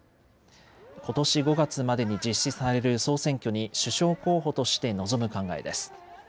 ことし５月までに実施される総選挙に首相候補として臨む考えです。